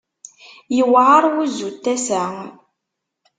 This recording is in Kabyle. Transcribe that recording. Yewɛer wuzzu n tasa.